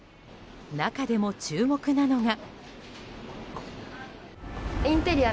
中でも注目なのが。